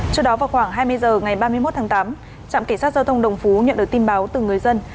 trước đó vào khoảng hai mươi h ngày ba mươi một tháng tám trạm cảnh sát giao thông đồng phú nhận được tin báo từ người dân